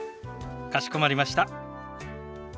かしこまりました。